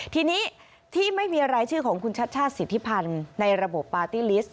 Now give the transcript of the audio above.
ทีนี้ที่ไม่มีรายชื่อของคุณชัชชาติสิทธิพันธ์ในระบบปาร์ตี้ลิสต์